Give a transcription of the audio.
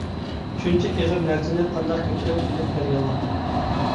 شۇنچە ئېغىر نەرسىنى قانداق كۆتۈرۈپ ئېلىپ كەلگەنلا؟